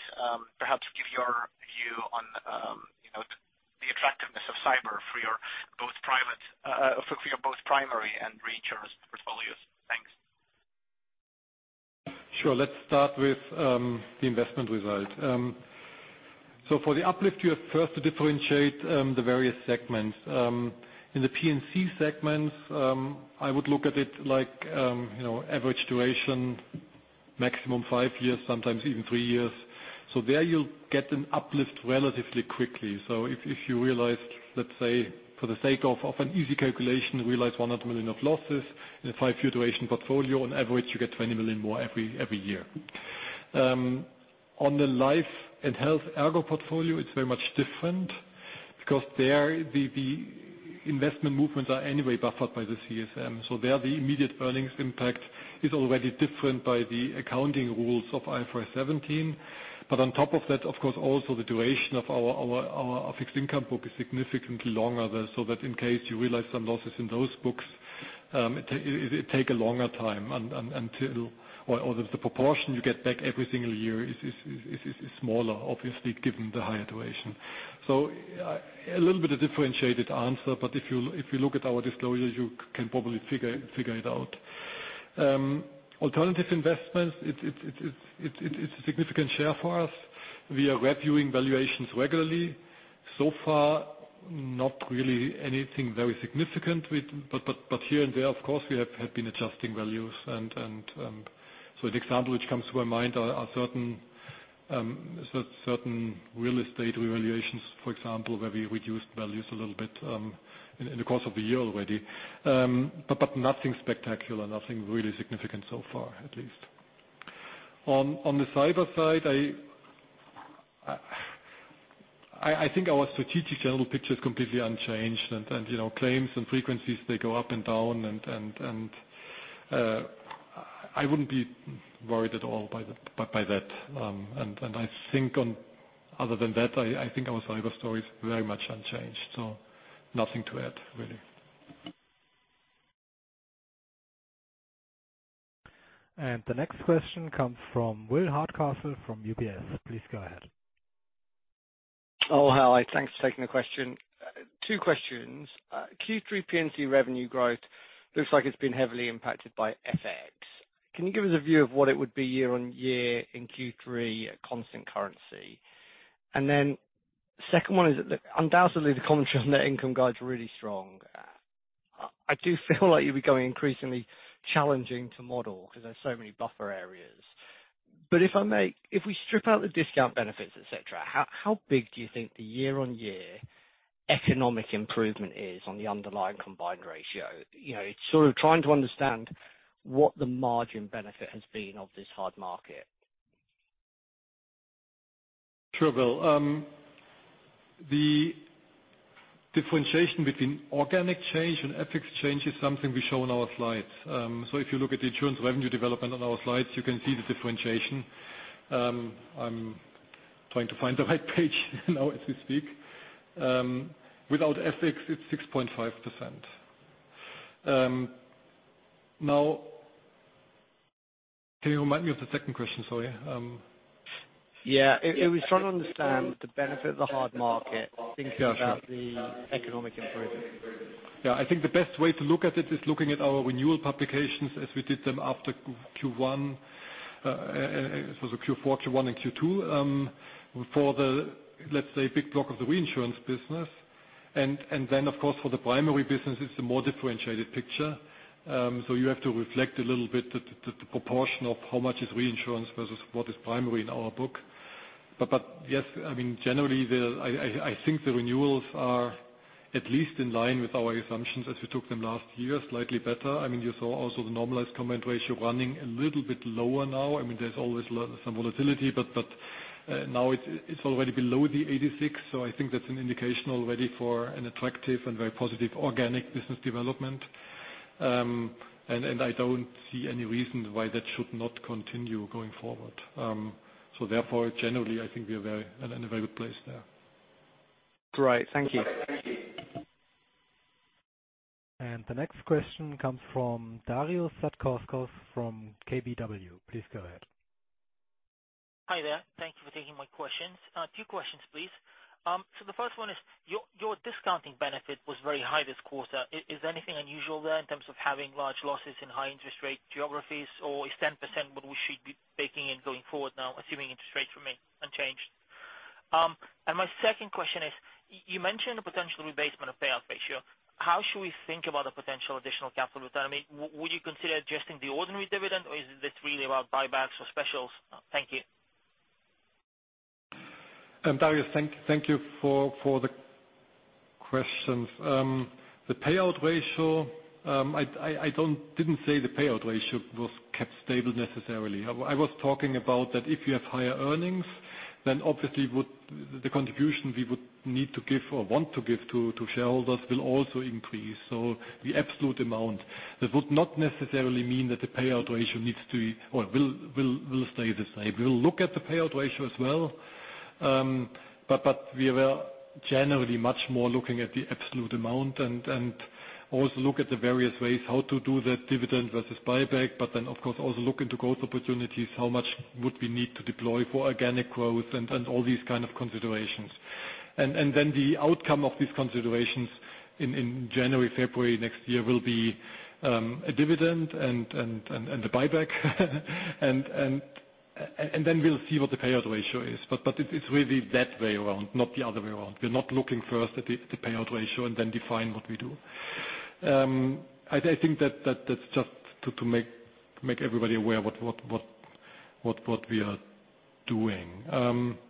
perhaps give your view on, you know, the attractiveness of cyber for both your primary and reinsurance. ... Sure, let's start with the investment result. So for the uplift, you have first to differentiate the various segments. In the P&C segments, I would look at it like, you know, average duration, maximum 5 years, sometimes even 3 years. So there you'll get an uplift relatively quickly. So if you realized, let's say, for the sake of an easy calculation, realize 100 million of losses in a 5-year duration portfolio, on average, you get 20 million more every year. On the life and health ERGO portfolio, it's very much different because there, the investment movements are anyway buffered by the CSM. So there, the immediate earnings impact is already different by the accounting rules of IFRS 17. But on top of that, of course, also the duration of our fixed income book is significantly longer, so that in case you realize some losses in those books, it take a longer time until, or the proportion you get back every single year is smaller, obviously, given the higher duration. So a little bit of differentiated answer, but if you look at our disclosures, you can probably figure it out. Alternative investments, it's a significant share for us. We are reviewing valuations regularly. So far, not really anything very significant with... But here and there, of course, we have been adjusting values. So an example which comes to my mind are certain real estate revaluations, for example, where we reduced values a little bit in the course of the year already. But nothing spectacular, nothing really significant so far, at least. On the cyber side, I think our strategic general picture is completely unchanged, and, you know, claims and frequencies, they go up and down, and I wouldn't be worried at all by that. And I think on... Other than that, I think our cyber story is very much unchanged, so nothing to add, really. The next question comes from Will Hardcastle, from UBS. Please go ahead. Oh, hi. Thanks for taking the question. Two questions. Q3 P&C revenue growth looks like it's been heavily impacted by FX. Can you give us a view of what it would be year-on-year in Q3 at constant currency? And then, second one is that, undoubtedly, the commentary on the income guide is really strong. I do feel like you're becoming increasingly challenging to model because there's so many buffer areas. But if I may, if we strip out the discount benefits, et cetera, how, how big do you think the year-on-year economic improvement is on the underlying combined ratio? You know, it's sort of trying to understand what the margin benefit has been of this hard market. Sure, Will. The differentiation between organic change and FX change is something we show on our slides. So if you look at the insurance revenue development on our slides, you can see the differentiation. I'm trying to find the right page now, as we speak. Without FX, it's 6.5%. Now, can you remind me of the second question? Sorry, Yeah. We're trying to understand the benefit of the hard market- Yeah, sure. Thinking about the economic improvement. Yeah, I think the best way to look at it is looking at our renewal publications as we did them after Q1, so the Q4, Q1, and Q2, for the, let's say, big block of the reinsurance business. And then, of course, for the primary business, it's a more differentiated picture. So you have to reflect a little bit the proportion of how much is reinsurance versus what is primary in our book. But yes, I mean, generally, I think the renewals are at least in line with our assumptions as we took them last year, slightly better. I mean, you saw also the normalized combined ratio running a little bit lower now. I mean, there's always some volatility, but, but now it's already below the 86, so I think that's an indication already for an attractive and very positive organic business development. And I don't see any reason why that should not continue going forward. So therefore, generally, I think we are very, in a very good place there. Great. Thank you. The next question comes from Darius Satkauskas from KBW. Please go ahead. Hi there. Thank you for taking my questions. Two questions, please. So the first one is, your discounting benefit was very high this quarter. Is anything unusual there in terms of having large losses in high interest rate geographies, or is 10% what we should be baking in going forward now, assuming interest rates remain unchanged? And my second question is, you mentioned a potential rebasement of payout ratio. How should we think about a potential additional capital return? I mean, would you consider adjusting the ordinary dividend, or is this really about buybacks or specials? Thank you. Darius, thank you for the questions. The payout ratio, I didn't say the payout ratio was kept stable necessarily. I was talking about that if you have higher earnings, then obviously, the contribution we would need to give or want to give to shareholders will also increase, so the absolute amount. That would not necessarily mean that the payout ratio needs to be or will stay the same. We'll look at the payout ratio as well, but we are generally much more looking at the absolute amount and also look at the various ways, how to do that, dividend versus buyback, but then, of course, also look into growth opportunities, how much would we need to deploy for organic growth and all these kind of considerations. Then the outcome of these considerations in January, February next year will be a dividend and a buyback. Then we'll see what the payout ratio is. But it's really that way around, not the other way around. We're not looking first at the payout ratio and then define what we do. I think that's just to make everybody aware what we are doing. Yeah-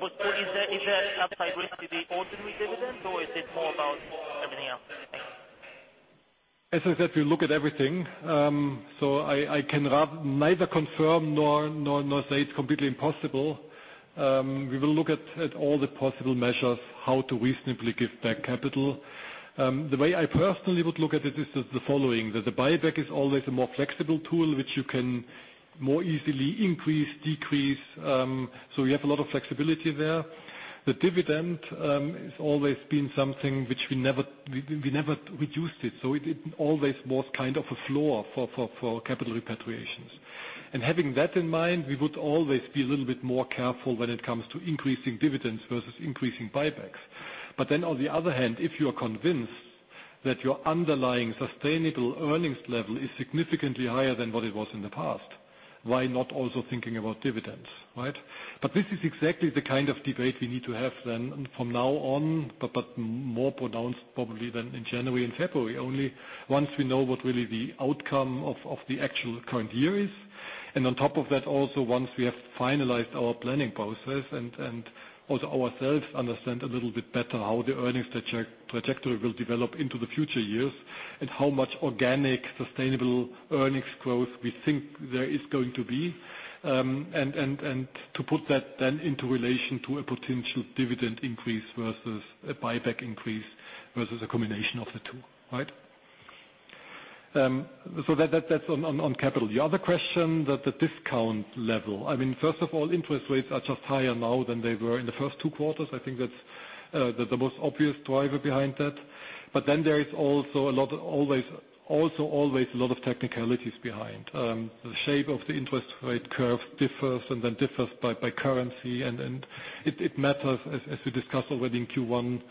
But so is that, is that upside risk to the ultimate dividend, or is it more about everything else? Thanks. As I said, we look at everything. So I can neither confirm nor say it's completely impossible. We will look at all the possible measures, how to reasonably give back capital. The way I personally would look at it is as the following: that the buyback is always a more flexible tool, which you can more easily increase, decrease. So we have a lot of flexibility there. The dividend has always been something which we never reduced it. So it always was kind of a floor for capital repatriations. And having that in mind, we would always be a little bit more careful when it comes to increasing dividends versus increasing buybacks. But then on the other hand, if you are convinced that your underlying sustainable earnings level is significantly higher than what it was in the past, why not also thinking about dividends, right? But this is exactly the kind of debate we need to have then from now on, but more pronounced probably than in January and February. Only once we know what really the outcome of the actual current year is, and on top of that, also once we have finalized our planning process and also ourselves understand a little bit better how the earnings trajectory will develop into the future years. And how much organic, sustainable earnings growth we think there is going to be. And to put that then into relation to a potential dividend increase versus a buyback increase, versus a combination of the two, right? So that's on capital. The other question, the discount level. I mean, first of all, interest rates are just higher now than they were in the first two quarters. I think that's the most obvious driver behind that. But then there is also always a lot of technicalities behind. The shape of the interest rate curve differs, and then by currency. And it matters, as we discussed already in Q1,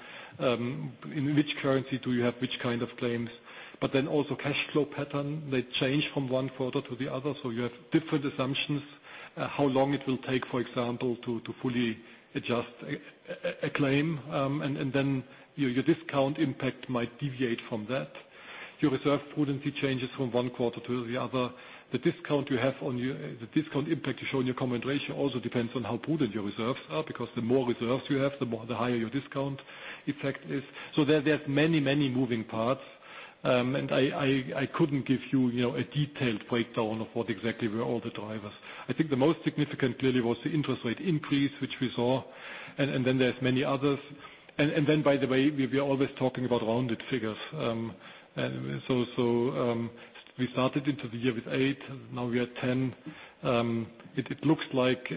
in which currency do you have which kind of claims? But then also cash flow pattern, they change from one quarter to the other, so you have different assumptions. How long it will take, for example, to fully adjust a claim, and then your discount impact might deviate from that. Your reserve prudence changes from one quarter to the other. The discount you have on your... The discount impact you show in your combined ratio also depends on how prudent your reserves are, because the more reserves you have, the higher your discount effect is. So there are many, many moving parts. And I couldn't give you, you know, a detailed breakdown of what exactly were all the drivers. I think the most significant clearly was the interest rate increase, which we saw, and then there's many others. And then, by the way, we are always talking about rounded figures. And so we started into the year with 8, now we are 10. It looks like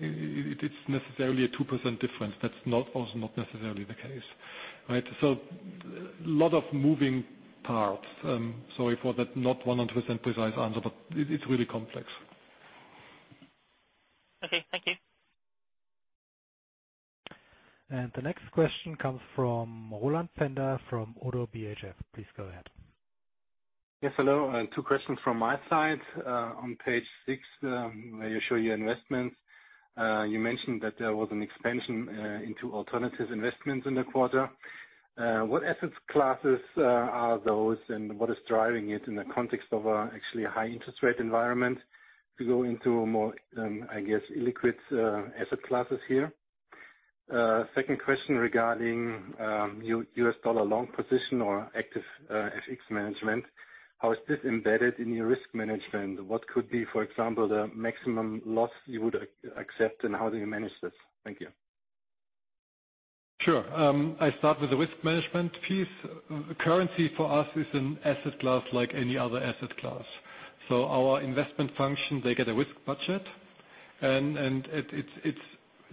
it's necessarily a 2% difference. That's not also not necessarily the case, right? So a lot of moving parts. Sorry for that not 100% precise answer, but it's really complex. Okay, thank you. The next question comes from Roland Pfänder from Oddo BHF. Please go ahead. Yes, hello. Two questions from my side. On page six, where you show your investments, you mentioned that there was an expansion into alternative investments in the quarter. What asset classes are those, and what is driving it in the context of actually a high interest rate environment to go into a more, I guess, illiquid asset classes here? Second question regarding your U.S. dollar long position or active FX management. How is this embedded in your risk management? What could be, for example, the maximum loss you would accept, and how do you manage this? Thank you. Sure. I start with the risk management piece. Currency for us is an asset class like any other asset class. So our investment function, they get a risk budget, and it, it's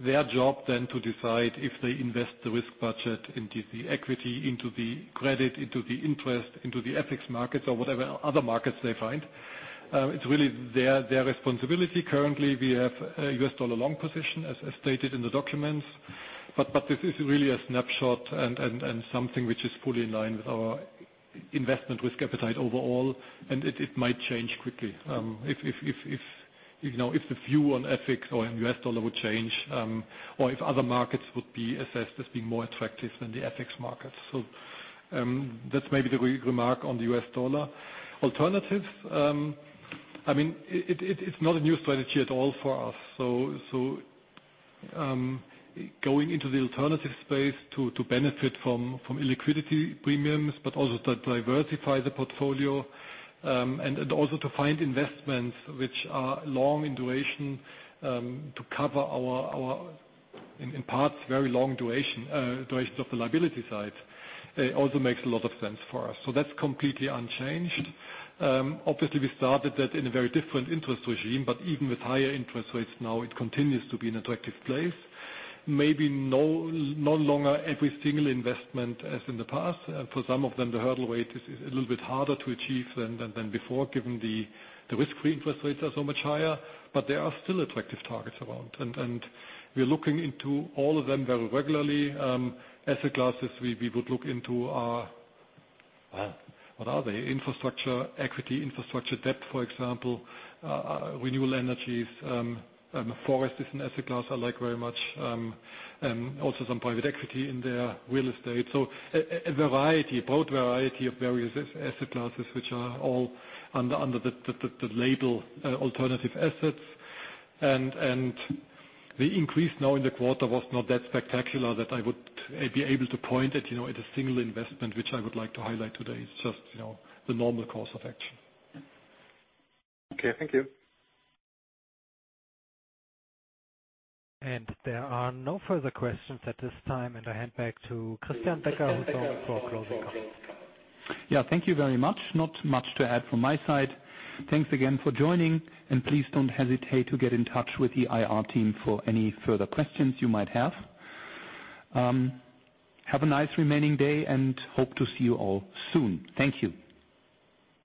their job then to decide if they invest the risk budget into the equity, into the credit, into the interest, into the FX markets or whatever other markets they find. It's really their responsibility. Currently, we have a US dollar long position, as stated in the documents, but this is really a snapshot and something which is fully in line with our investment risk appetite overall, and it might change quickly. If you know, if the view on FX or on US dollar would change, or if other markets would be assessed as being more attractive than the FX markets. So, that's maybe the remark on the US dollar. Alternatives, I mean, it's not a new strategy at all for us. So, going into the alternative space to benefit from illiquidity premiums, but also to diversify the portfolio, and also to find investments which are long in duration to cover our, in parts, very long duration of the liability side, also makes a lot of sense for us. So that's completely unchanged. Obviously, we started that in a very different interest regime, but even with higher interest rates now, it continues to be an attractive place. Maybe no longer every single investment as in the past. For some of them, the hurdle rate is a little bit harder to achieve than before, given the risk-free interest rates are so much higher. But there are still attractive targets around, and we are looking into all of them very regularly. Asset classes we would look into are what are they? Infrastructure equity, infrastructure debt, for example, renewable energies, forests is an asset class I like very much, and also some private equity in there, real estate. So a variety, a broad variety of various asset classes, which are all under the label alternative assets. And the increase now in the quarter was not that spectacular that I would be able to point at, you know, at a single investment, which I would like to highlight today. It's just, you know, the normal course of action. Okay, thank you. There are no further questions at this time. I hand back to Christian Becker for closing comments. Yeah, thank you very much. Not much to add from my side. Thanks again for joining, and please don't hesitate to get in touch with the IR team for any further questions you might have. Have a nice remaining day, and hope to see you all soon. Thank you.